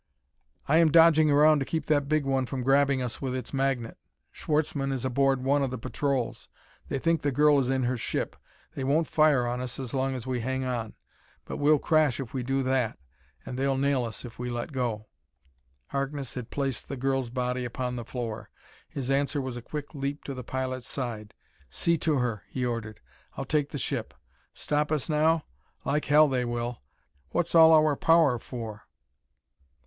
"I am dodging around to keep that big one from grabbing us with its magnet. Schwartzmann is aboard one of the patrols; they think the girl is in her ship. They won't fire on us as long as we hang on. But we'll crash if we do that, and they'll nail us if we let go." Harkness had placed the girl's body upon the floor. His answer was a quick leap to the pilot's side. "See to her," he ordered; "I'll take the ship. Stop us now? Like hell they will! What's all our power for?"